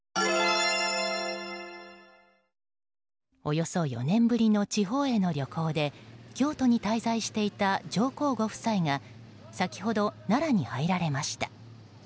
およそ４年ぶりの地方への旅行で京都に滞在していた上皇ご夫妻が先ほど、奈良に入られました。